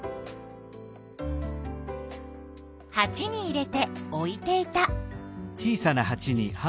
はちに入れて置いていた。